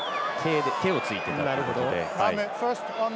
手をついていたということで。